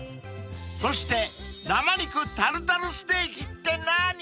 ［そして生肉タルタルステーキって何？］